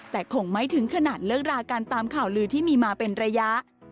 แต่คงไม่ถึงขนาดเลิกรากันตามข่าวลือที่มีมาเป็นระยะ